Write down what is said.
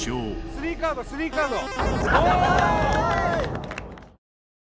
スリーカードスリーカード。